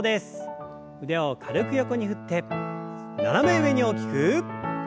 腕を軽く横に振って斜め上に大きく。